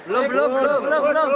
lantai lompat bukan yang